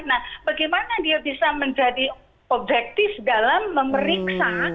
nah bagaimana dia bisa menjadi objektif dalam memeriksa